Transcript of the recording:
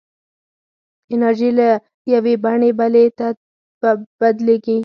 انرژي له یوې بڼې بلې ته بدلېږي.